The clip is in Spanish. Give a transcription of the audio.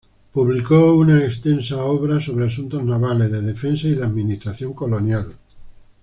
Publicó una extensa obra sobre asuntos navales, de defensa y de administración colonial.